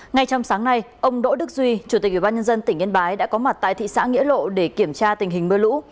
ngay trong sáng nay ông đỗ đức duy chủ tịch ủy ban nhân dân tỉnh yên bái đã có mặt tại thị xã nghĩa lộ để kiểm tra tình hình mưa lũ